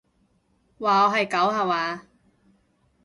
話我係狗吓話？